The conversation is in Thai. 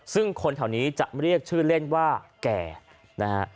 ซึ่งคนแถวนี้จะเรียกชื่อเล่นว่าแก่นะฮะ